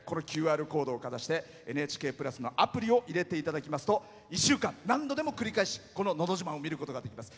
ＱＲコードをかざして「ＮＨＫプラス」のアプリを入れていただきますと１週間何度でも繰り返し「のど自慢」を見ることができます。